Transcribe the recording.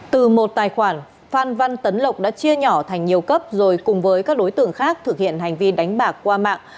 từ một tài khoản phan văn tấn lộc đã chia nhỏ thành nhiều cấp rồi cùng với các đối tượng khác thực hiện hành vi đánh bạc qua mạng